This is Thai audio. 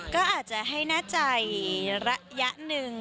ก็อาจจะให้แน่ใจระยะหนึ่ง